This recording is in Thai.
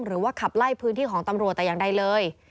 หรือว่าขับไล่พื้นที่ของตำรวจแต่อย่างใดเลย